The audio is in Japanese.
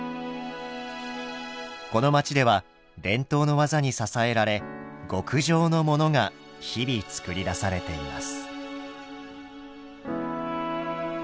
この街では伝統の技に支えられ極上のモノが日々作り出されています。